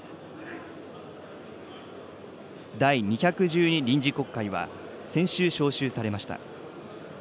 第２１２臨時国会は、先週召集されました。